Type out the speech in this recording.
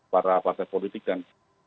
para partai politik dan